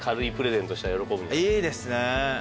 いいですね。